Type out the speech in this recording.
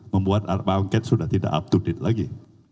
membuat pak angket sudah tidak up to date lagi